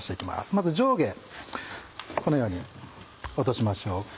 まず上下このように落としましょう。